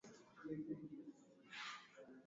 Engai Narok ni Mungu Mweusi mwenye huruma